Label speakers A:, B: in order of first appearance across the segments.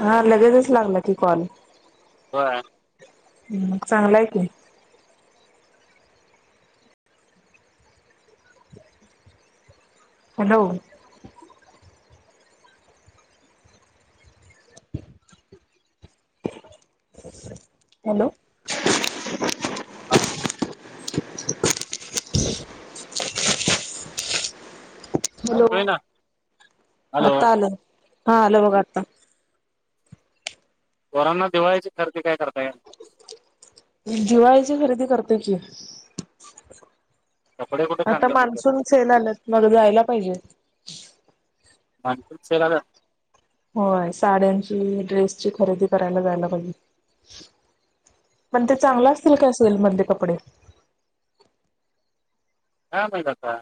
A: हा लगेचच लागला की कॉल.
B: होय
A: मग चांगला हाय की हॅलो हॅलो हॅलो
B: ऐकतोय ना हॅलो
A: आता आलं हा आलं बघा आता
B: पोरांना दिवाळीची खरेदी काय करताय
A: दिवाळीची खरेदी करतोय की
B: कपडे कुठे
A: आता
B: चांगले मिळतात
A: मान्सून सेल आल्यात मग जायला पाहिजेत
B: मान्सून सेल आल्यात
A: होय साड्यांची ड्रेसची खरेदी करायला जायला पाहिजे पण ते चांगल असतील काय सेल मधले कपडे
B: काय माहित आता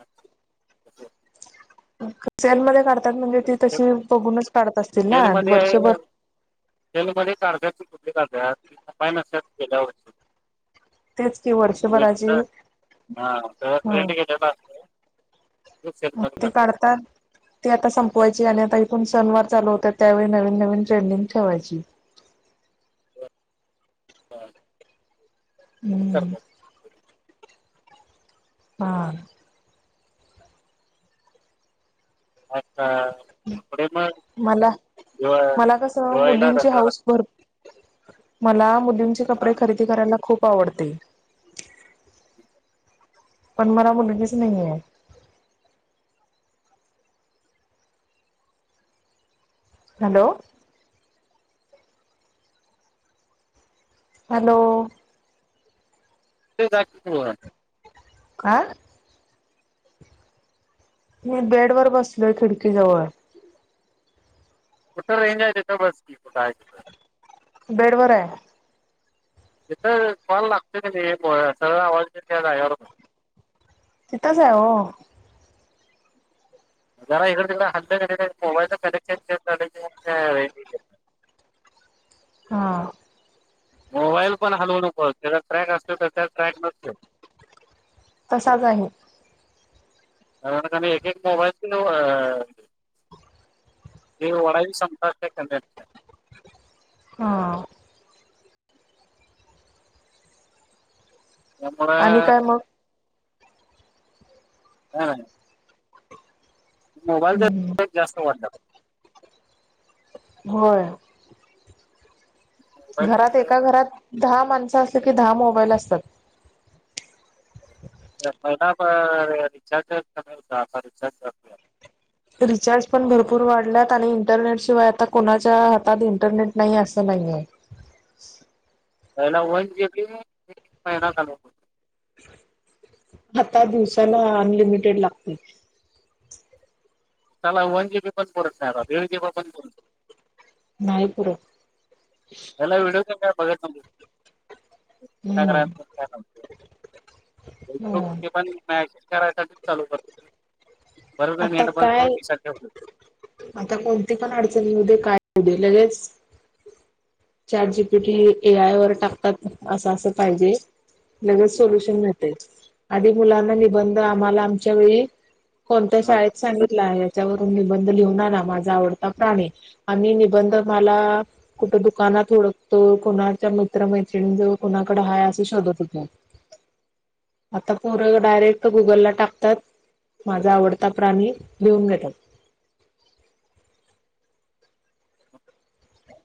A: सेल मध्ये काढत्यात म्हणजे ते तशी बघूनच काढत असतील ना वर्षभर
B: सेल मध्ये काढत्यात ती कुठली काढत्यात जी खपाय नसत्यात त्याच्यावरती
A: तेच की वर्षभराची,
B: हा
A: हा.
B: उगच येडताकणार.
A: तर ती आता संपवायची. आणि आता इथूण सनवार चालू होत्यात, त्यावेळी नवीन नवीन ट्रेंडिंग ठेवायची.
B: बर
A: हम्म. हां.
B: आता. कपडे मग
A: मला,
B: दिवा
A: मला कस
B: दिवाळीला
A: मुलींची
B: दसऱ्याला
A: हाऊस भरपूर मला मुलीनंचे
B: हा
A: कपडे खरेदी करायला खूप आवडते. पण मला मुलगीच नाहीं हाय. हॅलो. हॅलो.
B: तू जा की, मग वर.
A: काय. मी बेड वर बसलोय खिडकीजवळ.
B: कुठं रेंज हाय तिथ बस की, कुठयं हाय तिथ.
A: बेड बर हाय.
B: तिथ कॉल लागतोय कनी, सरळ आवाज येतोय त्या जागेवर बस.
A: तीथच आहे हो.
B: जरा हिकडं तिकडे हालल कनी, मोबाईलच कनेक्शन चेंज झालं की रेंज येत्या मग.
A: हां.
B: मोबाईल पण हलवू नकोस. त्याच ट्रैक असत्यात त्यात. [unintelligible]
A: तसाच आहे.
B: ते नव्ह एक एक मोबाईल पण नेट वडायचं क्षमता असत्या, जरा कमी असत्या.
A: हां.
B: त्यामुळ
A: आणि काय मग?
B: [unintelligible] मोबाईल चा
A: हम्म
B: रिचार्ज जास्त वाढलाय.
A: होय.
B: मोबाईलची
A: घरात एका
B: सवय
A: घरात दहा माणसं असल की, दहा मोबाईल असत्यात.
B: महिना रिचार्ज कमी होता, आता रिचार्ज जास्त हाय.
A: रिचार्ज पण भरपूर वाढल्यात, आणि इंटरनेटशिवाय आता कोणाच्या हातात इंटरनेट नाही असं नाही आहे.
B: पहिला वन जी बी एक एक महिना घालवत होतो.
A: आता दिवसाला अनलिमिटेड लागतय.
B: त्याला वन जी बी पण पुरत नाही, आता दिड जी बी पण
A: नाही पूरत.
B: पहीला व्हिडिओ तेन काय बघत नव्हतीत.
A: हम्म.
B: काय नव्हतं फेसबुक
A: हम्म.
B: ते पण मॅसेज करायच, आणि चालू करत
A: आता काय आता कोणती पण अडचणी येऊ दे, काय होऊ दे लगेच chat G P T, A I वर टाकतात असं असं पाहिजे लगेच
B: ठेवलं
A: सोल्युशन मिळतय. आधी मुलांना निबंध आम्हाला, आमच्या वेळी कोणत्या शाळेत सांगितलं आहे याच्यावरून निबंध लिहून आणा माझा आवडता प्राणी. आम्ही निबंधमाला कुठं दुकानात हुडकतो कोणाच्या मित्र मैत्रीणी जवळ कोणाकडे हाय असं शोधत होतो.
B: [inaudible]
A: आता पोर डायरेक्ट गुगलला टाकतात. माझा आवडता प्राणी लिहून घेतात.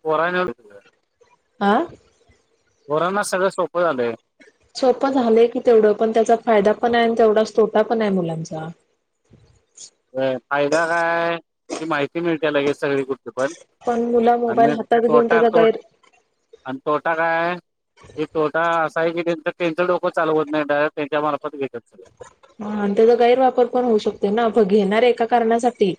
B: पोरांना
A: आं?
B: पोरांना सगळं सोपं झालंय.
A: सोपं झालंय की तेवढं पण त्याचा फायदा पण आय आणि तेवढाच तोटा पण आय मुलांचा.
B: फायदा काय की माहिती मिळतिया लगेच सगळी कुठली पण.
A: पण मुलं
B: आणि
A: मोबाईल हातात घेऊन
B: तोटा
A: त्याचा
B: तोट
A: गैर
B: आणि तोटा काय? हे तोटा असा हाय की त्यांच त्यांचं डोकं चालवत नायत डायरेक्ट त्यांच्या मार्फत घेतात सगळ.
A: हा आणि त्याचा गैरवापर पण होऊ शकतो ना आपण घेणार एका कारणासाठी.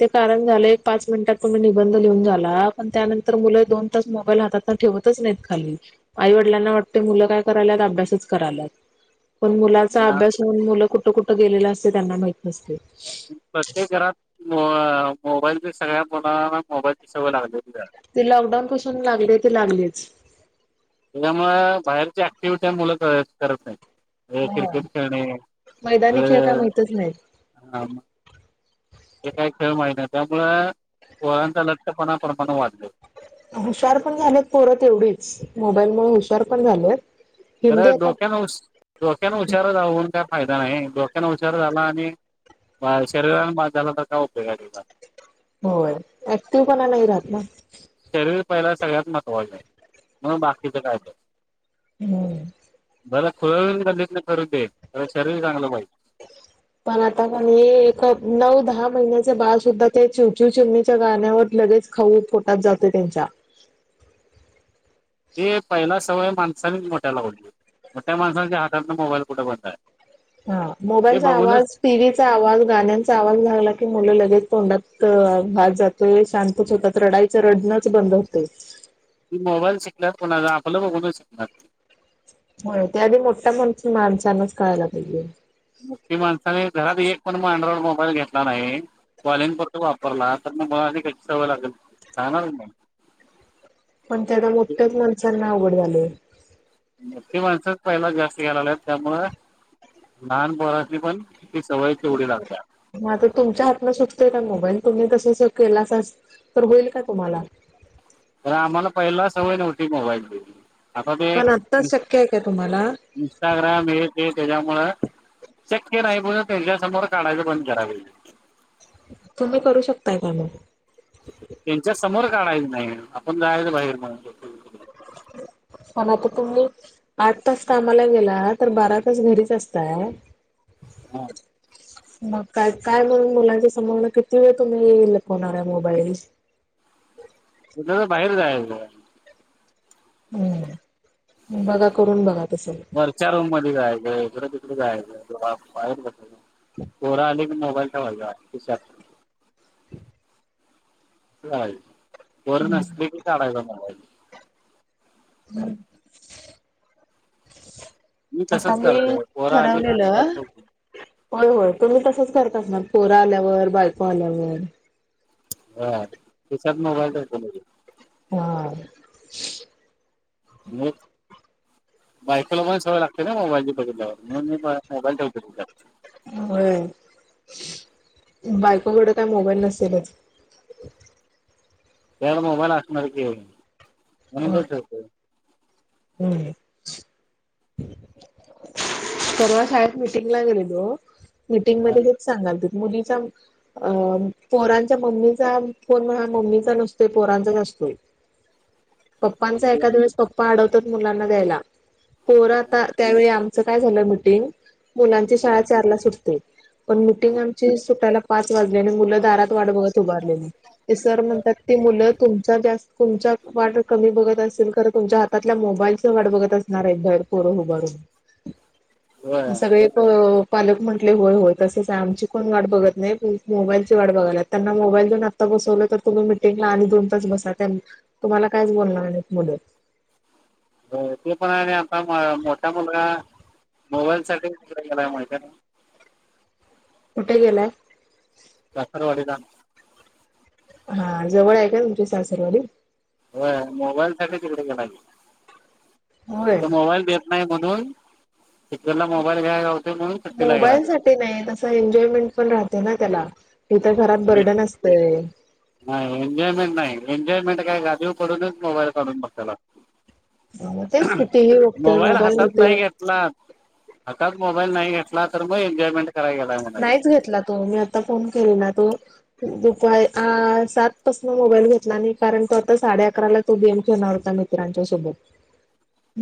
A: ते कारण झालंय एक पाच मिनिटात तुम्ही निबंध लिहून झाला पण त्यानंतर मुलं दोन तास मोबाईल हातात ठेवतच नायत खाली आई वडिलांना वाटतय मुलं काय करायल्यात अभ्यासच करायल्यात. पण मुलाचा
B: सगळं आणि
A: अभ्यास होऊन मुलं कुठं कुठं गेलेल असते त्यांना माहीत नसते.
B: प्रत्येक घरात मो- मोबाईलची सगळ्या मुलांना मोबाईलची सवय लागलेलीच हाय.
A: ते लॉकडाऊन पासून लागले ते लागलेच.
B: त्याच्यामुळ बाहेरची ऍक्टिव्हटी मुलं करत नायत. हे क्रिकेट खेळणे
A: मैदानी खेळ काय माहितच नाही
B: अं हे काही खेळ माहित नायत त्यामुळ पोरांचा लठ्ठपणा प्रमाण वाढलय.
A: हुशार पण झालेत पोरं तेवढीच मोबाईल मुळं हुशार पण झालेत.
B: खर
A: हिंदी आता
B: डोक्यां हुश डोक्यानं हुशार राहून काय फायदा नाय. डोक्यान हुशार झाला आणि शरीराने बाद झाला तर काय उपयोग आय त्याचा.
A: होय ऍक्टिवपणा नाही राहत ना.
B: शरीर पहिला सगळ्यात महत्वाच म बाकीच कायपण.
A: हम्म.
B: बरं खुळ हून गल्लीतन फिरूद खरं शरीर चांगलं पाहिजे.
A: पण आता क नी एक नऊ दहा महिन्याच बाळ सुद्धा ते चिवचूव चिमणीच्या गाण्यावर लगेच खाऊ पोटात जातोय त्यांच्या.
B: ते पहिला सवय माणसांनी मोठ्या लावली. मोठ्या माणसाच्या हातात मोबाईल कुठ बंद आय.
A: हा मोबाईलचा आवाज टीव्हीचा आवाज गाण्यांचा आवाज लागला की मुलं लगेच तोंडात भात जात तोय शांतच होतात रडायचं रडणच बंद होतय.
B: ती मोबाईल शिकल्यात कोणाच आपलं बघूनच शिकनार.
A: होय ते आधी मोठा माण माणसांनाच कळायला पाहिजे.
B: मोठी माणसाने घरात एक पण म अँड्रॉइड मोबाईल घेतला नाय कॉलिंग पुरता वापरला तर मग मुलाना कशी सवय लागल लागणारच नाय.
A: पण ते आता मोठ्याच माणसांना अवघड झालय.
B: मोठी माणसच पहिला जास्त घ्या लागल्यात त्यामुळं लहान पोरास्नी पण ती सवय तेवढी लागल्या.
A: हा तर तुमच्या हातनं सुटतोय का मोबाईल तुम्ही तस ज केलासा तर होईल का तुम्हाला?
B: व्हय आम्हाला पहिला सवय नव्हती मोबाईलची. आता ते
A: पण आत्ताच शक्य आहे का तुम्हाला
B: इन्स्टाग्रांम हे ते त्यांच्यामुळे शक्यं नाहीं बणं त्यांच्या समोर काढायचं बंद करायलां पाहिजे.
A: तुम्हीं करूं शकतांय कां मंग?
B: त्यांच्या समोर काढायचं नाहीं आपणं जायचं बाहेर म्हं बं
A: हं पणं आंता तुम्हीं आंठ तांस कामांला गेलां तरं बारां तांस घरीच असतांय
B: हां
A: मंग कायं कायं म्हणूंन मुलांच्या समोरला किती वेळं तुम्हीं येलं फणांर आहे मोबाईल
B: जरां बाहेर जायचं
A: हम्मं बघां करूंन बघां तसं
B: चर्च्या रूंम मध्यें जांय इडे तिकडे जांय बाहे बघं पोरां आले की मोबाईल ठेवायचं
A: हं
B: चाललं वरूंण असले की कांढाला बरं
A: हम्मं आंता
B: तसंच
A: मी
B: करतोय पोरं आले की खिशात
A: ठरवलेलं
B: ठेवतो
A: होयं होयं तुम्हीं तसंच करतं असणारं पोरं आल्यांवर बायको आल्यांवर
B: हां खिशातं मोबाईल ठेवतो मी भी
A: हां
B: हम्मं बायकोला पणं संवय लागते नां मोबाईल बल्यांवर म्हूंन मी मोबाईल ठेवं
A: होयं बायकोकडे कायं मोबाईल नसेलचं
B: त्यांला मोबाईल असणारं की म्हंणचं होतो
A: हम्मं पर्वा शाळेंत मिटिंग लां गेले ते मिटिंग
B: हा
A: मध्यें सांगाल ते मुलींचा अं पोहरांच्या मम्मीचां फोन हां मम्मीचा नसतोय पोहरांचाच असतो
B: हम्मं
A: पप्पांचा एकां दिवसं पप्पां आडवतोत मुलांना द्यायंला पोरं आंता त्यांवेळी आं ते कायं झालं माहिती आहे मुलां शाळां चार लां सुटते मिटीग आमची सुटांयला पांच वाजल्यां आणि मुलं दारांत वाटतं बघतं उभारलेली सरं म्हणतांत ती मुलं तुमच्या जास्तं तुमच्या वाटतं कमी बघतं असेल तरं तुमच्या हातं मतलब मोबाईलच वाटतं बघतं असणारं आहे बाहेर पोरो उभारूंन
B: होय
A: सगळें कडं पालंक म्हटले होयं होयं तसंच आहे आमची कोणं वाटतं बघतं नाहीं मोबाईलची वाटतं बघालांत त्यांना मोबाईल द बसवलं तरं तुम्हीं मिटिंगला आणि दोन तांस बसां त्यां तुम्हांला कायचं बोलणारं नाहीं मुलं
B: हो ते पणं आणि आंता मोठा मुलंगा मोबाईल साठी विकला गेलां माहिती
A: कुठे गेलांय
B: सासंर वाडीलां
A: हां जवळं आहे कां तुमची सासंरवाडी
B: हो मोबाईल साठी तिकडे गेलां तो
A: होय
B: इथं मोबाईल देतं देतं नाहीं म्हणूंन तीथन मोबाईल घ्यायला म्हणून सुट्टीला गेला
A: मोबाईल सांठी नाहीं तसं एन्जॉयमेंट पणं राहते नां त्यांला तिथं घरांत बर्डन असतंय
B: नाहीं एनजॉयमेंट नाहीं एन्जॉयमेंट कायं गादी पडूनचं मोबाईल काढूंन बघांयलागतं
A: [unintelligible] मोबाईल घेतोय,
B: ला, हकाच मोबाईल नाही घेतला तर, मग एनजॉयमेंट
A: नाहीच घेतला तो मी, आता फोन केले ना तो, दुपारी सात पासन मोबाईल घेतला नाही. कारण तो आता साडे अकराला तो, गेम खेळणार होता मी रांच्या सोबत,
B: [inaudible]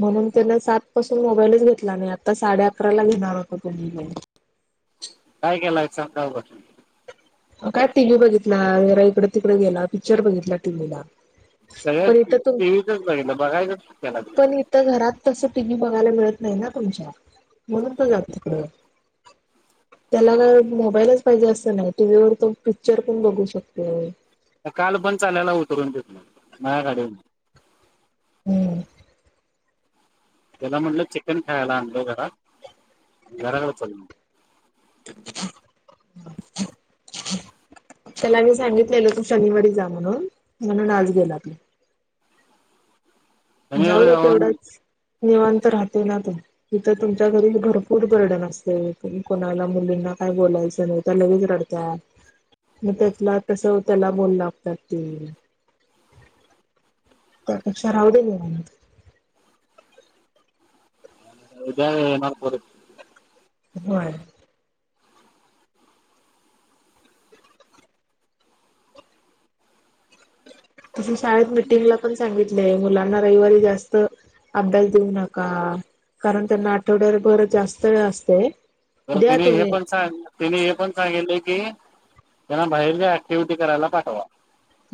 A: म्हणून, त्यांन सात पासून मोबाईलच घेतला नाही, आता साडे अकरा ला घेणार होता तो. [inaudible]
B: काय केलाय स सकाळ,
A: काय टीव्ही बघितला, जरा इकडे तिकडे गेला, पिक्चर बघितला टीव्हीला,
B: सगळ्यात
A: पण इथं तुम
B: टीव्हीचच बघितलं, बघायचंला,
A: पण इथ घरात तसं टी व्ही बघायला मिळत नाही ना तुमच्या, म्हणून तो जातो तिकडं, त्याला काय, मोबाईलच पाहिजे असं नाही, टी व्ही वर तो पिक्चर पण बघू शकतो.
B: आता काल पण चालयला उतरूनतो, माझ्या गाडी वरण,
A: हम्म,
B: त्याला म्हटलं, चिकन खायला आणलो, घरा घराकडे चल,
A: [unintelligible] त्याला मी सांगितलेलो तू शनिवारी जा म्हणून, म्हणून आज गेला तो, जाऊ
B: शनिवारी
A: दे,
B: जाऊन
A: तेवढाच निवांत राहतील ना तू, तिथं, तुमच्या घरी भरपूर बर्डन असते, तुम्ही कोणाला, मुलींना काय बोलायचं नाही त्या लगेच रडत मग, त्यातला कस त्याला बोल लागतात, ते, त्यापेक्षा राहुदे निवांत,
B: उद्या येणार परत.
A: होय, तसं, शाळेत मिटिंगला पण सांगितलेय, मुलांना रविवारी जास्त अभ्यास देऊ नका, कारण त्यांना आठवड्या बर जास्त वेळ असते.
B: तर,
A: द्या
B: तिने हे
A: तुम्ही
B: पण सांग त्यांनी हे पण सांगितले की, त्यांना बाहेरच्या ऍक्टिव्हटी, करायला पाठवा.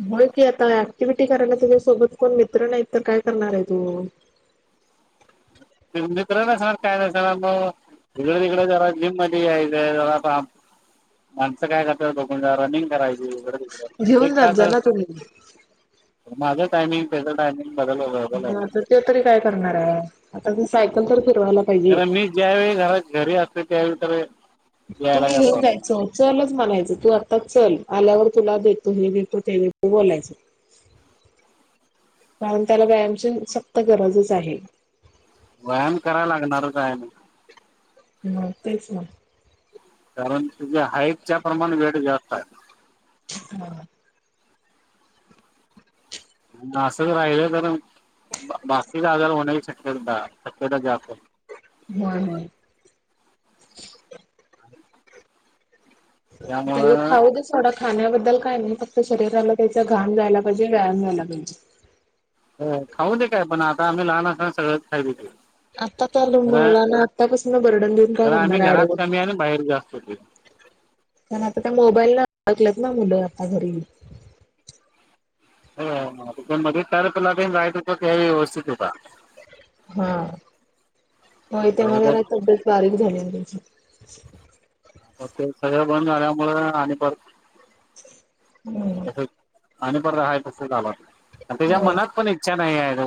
A: हो, की आता ऍक्टिव्हटी करायला तुझ्या सोबत कोण मित्र, नाहीत तर काय करणार आहे तू,
B: [unintelligible] काय नाहीसणार म, हिकडं, तिकडं जरा जिम मदी, यायचं जरा माणसं काय करतात, जा रनिंग करायची, इकडे -तिकडे एक
A: घेऊन जात
B: तास
A: जा ना तुम्ही.
B: माझं टायमिंग त्याचा, टाइमिंग,
A: आता, ते तरी काय करणार आहे, आता ती सायकल तर फिरवायला, पाहिजे.
B: करणं, मी ज्या वेळी घरात, घरी असतो त्यावेळी तर, यायला
A: तुम्ही
B: काय
A: घेऊन
B: प्रॉब्लेम नाही
A: जायचं. चलच म्हणायचं, तू आता चल, आल्यावर तुला देतो हे, देतो ते देतो तू बोलायच.
B: [unintelligible]
A: कारण त्याला, व्यायामची सक्त गरजच आहे.
B: व्यायाम कराला, लागणार च आहे आणि,
A: मग तेच ना,
B: कारण, तुझ्या हाईटच्या प्रमाणे वेट जास्त आहे.
A: हम,
B: आणि, असच राहिलं तर, बाकीचा आजार होण्याची शक्य शक्यता जास्त,
A: होय, होय,
B: हा,
A: त्याला खाऊ दीसला, खाण्याबद्दल काय नाही फक्त शरीराला त्याचा घाण जायला पाहिजे व्यायाम झाला पाहिजे.
B: खाऊ दे काय पण आता आम्ही लहान असताना सगळं खाईत होतो.
A: आता तर मुलाना आतापासून बर्डन देऊन का
B: तर आम्ही
A: करणारऱे
B: घरात
A: आडवं.
B: कमी आणि बाहेर जास्त होते.
A: कारण आता त्या मोबाईलला आडकलत ना मुलं आता घरी
B: [inaudible]
A: हा हो तेव्हा
B: अगोदर
A: जरा तब्येत बारीक झाली ना तुची.
B: मग ते सगळं बंद झाल्यामुळे आणि ब
A: हम्म!
B: आणि पण रा तसं झाला, आणि त्याच्या
A: होय.
B: मनात पण इच्छा नाही आहे.